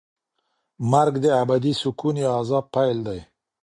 مرګ د ابدي سکون یا عذاب پیل دی.